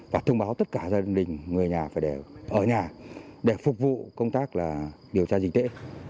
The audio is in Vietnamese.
và thông báo tất cả gia đình người nhà phải để ở nhà để phục vụ công tác điều tra dịch tễ